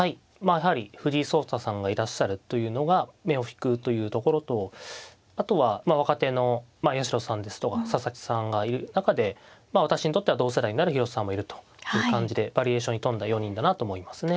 やはり藤井聡太さんがいらっしゃるというのが目を引くというところとあとは若手の八代さんですとか佐々木さんがいる中で私にとっては同世代になる広瀬さんもいるという感じでバリエーションに富んだ４人だなと思いますね。